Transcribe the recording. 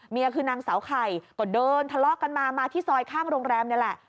คือนางสาวไข่ก็เดินทะเลาะกันมามาที่ซอยข้างโรงแรมนี่แหละ